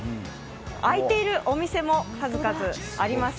開いているお店も数々あります。